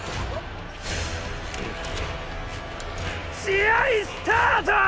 試合スタァトォ！